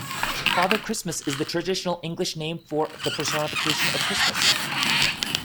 Father Christmas is the traditional English name for the personification of Christmas